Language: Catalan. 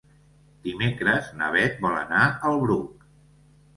Dimecres na Beth vol anar al Bruc.